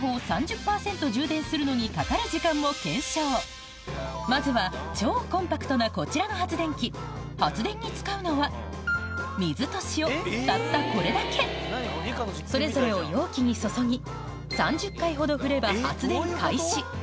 さらにまずは超コンパクトなこちらの発電機発電に使うのは水と塩たったこれだけそれぞれを容器に注ぎ３０回ほど振れば発電開始